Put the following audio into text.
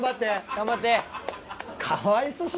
頑張って。